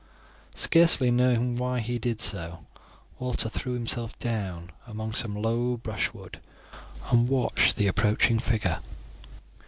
Scarcely knowing why he did so, Walter threw himself down among some low brushwood and watched the approaching figure.